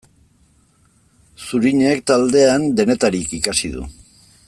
Zurinek taldean denetarik ikasi du.